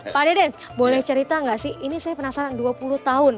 pak deden boleh cerita nggak sih ini saya penasaran dua puluh tahun